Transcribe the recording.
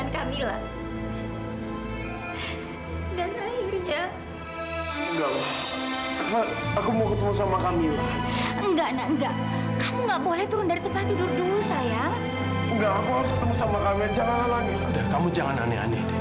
kamu itu baru siupan